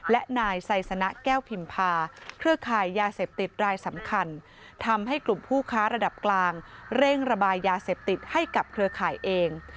และนายไซสนะแก้วพิมพาเครือข่ายยาเสพติดรายสำคัญทำให้กลุ่มผู้ค้าระดับกลางเร่งระบายยาเสพติดให้กับเครือข่ายเอง